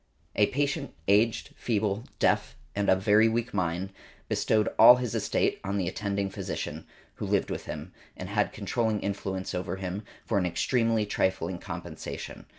A patient, aged, feeble, deaf and of very weak mind, bestowed all his estate on the attending physician, who lived with him, and had controlling influence over him, for an extremely trifling compensation.